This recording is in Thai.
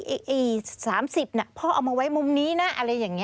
ไอ้๓๐พ่อเอามาไว้มุมนี้นะอะไรอย่างนี้